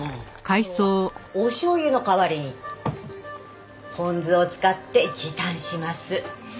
今日はおしょう油の代わりにポン酢を使って時短します。